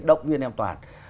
động viên em toàn